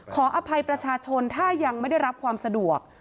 ขออภัยประชาชนถ้ายังไม่ได้รับความสะดวก